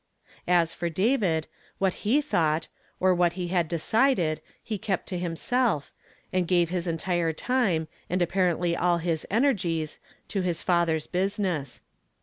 As for David, what he thought, or what he had decided, he kept to himself, and gave his entire time, and apparently all his energies, to his father's business.